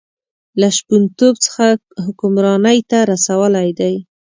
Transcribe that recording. له شپونتوب څخه حکمرانۍ ته رسولی دی.